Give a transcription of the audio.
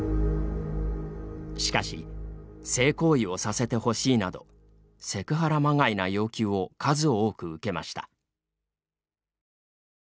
しかし性行為をさせてほしいなどセクハラまがいな要求を数多く受けました。